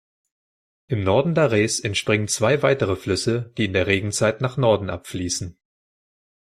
Im Norden Dares entspringen zwei weitere Flüsse, die in der Regenzeit nach Norden abfließen.